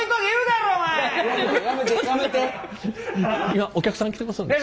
今お客さん来てますんで。